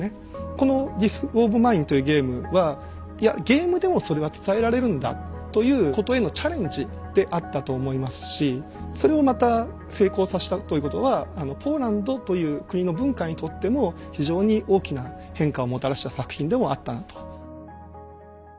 この「ＴｈｉｓＷａｒｏｆＭｉｎｅ」というゲームは「いやゲームでもそれは伝えられるんだ」ということへのチャレンジであったと思いますしそれをまた成功さしたということはポーランドという国の文化にとっても非常に大きな変化をもたらした作品でもあったなと。